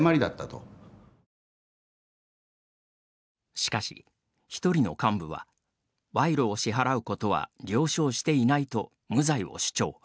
しかし、１人の幹部は賄賂を支払うことは了承していないと無罪を主張。